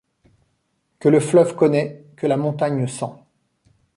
Que le fleuve connaît, que la montagne sent